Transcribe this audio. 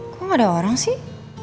kok gak ada orang sih